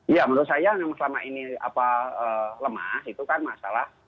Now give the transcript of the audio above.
ya menurut saya yang selama ini lemah itu kan masalah